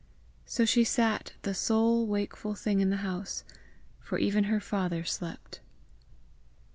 So she sat the sole wakeful thing in the house, for even her father slept.